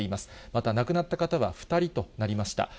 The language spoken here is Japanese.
また亡くなった方は２人となりました。